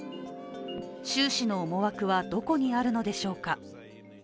習氏の思惑はどこにあるのでしょうか。